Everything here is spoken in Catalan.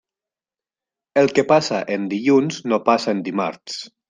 El que passa en dilluns no passa en dimarts.